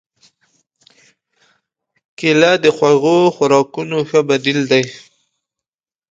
کېله د خوږو خوراکونو ښه بدیل دی.